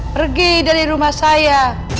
pergi dari rumah saya